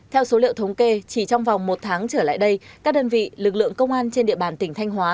theo số liệu thống kê chỉ trong vòng một tháng trở lại đây các đơn vị lực lượng công an trên địa bàn tỉnh thanh hóa